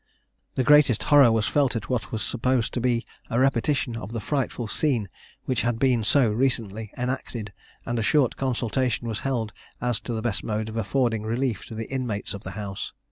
The greatest horror was felt at what was supposed to be a repetition of the frightful scene which had been so recently enacted, and a short consultation was held as to the best mode of affording relief to the inmates of the house.